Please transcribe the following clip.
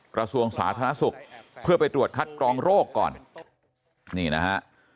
กระทรวงสาธารณสุขเพื่อไปตรวจคัดกรองโรคก่อนนี่นะฮะ